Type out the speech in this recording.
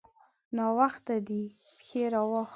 ناوخته دی؛ پښې راواخله.